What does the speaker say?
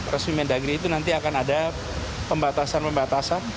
resmi mendagri itu nanti akan ada pembatasan pembatasan